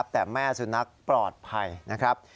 แต่แม่สุนัขปลอดภัยนะครับ